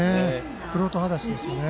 玄人はだしですよね。